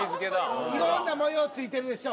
いろんな模様付いてるでしょ？